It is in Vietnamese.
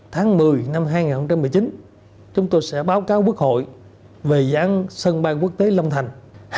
tháng một mươi năm hai nghìn một mươi chín chúng tôi sẽ báo cáo quốc hội về giãn sân bay quốc tế lâm thành